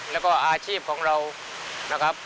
แล้วก็อาชีพของเรานะครับ